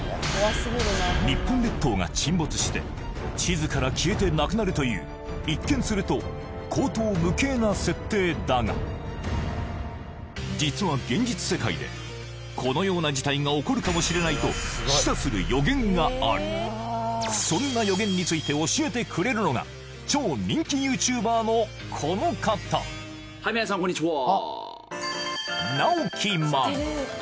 日本列島が沈没して地図から消えてなくなるという一見すると荒唐無稽な設定だが実は現実世界でこのような事態が起こるかもしれないと示唆する予言があるそんな予言について教えてくれるのが超人気ＹｏｕＴｕｂｅｒのこの方ナオキマン